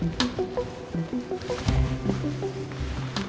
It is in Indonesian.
ketemu dengan ibu sarah